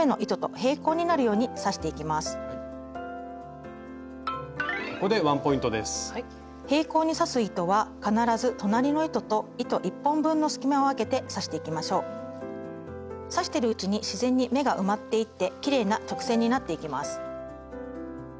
平行に刺す糸は必ず刺してるうちに自然に目が埋まっていってきれいな直線になっていきます。